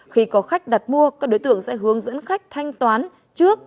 khi có khách đặt mua các đối tượng sẽ hướng dẫn khách thanh toán trước